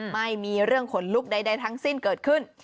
ไม่มีเรื่องขนลุกใดทั้งสิ้นเกิดขึ้น